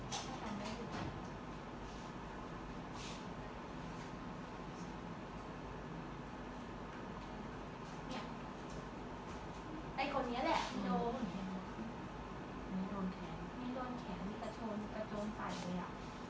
ไอ้คนนี้แหละนี่โดนนี่โดนแขนนี่โดนแขนนี่กระโจนประโจนฝ่ายเลยอ่ะ